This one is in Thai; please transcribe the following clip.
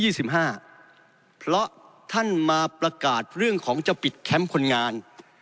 ยี่สิบห้าเพราะท่านมาประกาศเรื่องของจะปิดแค้มคนงาน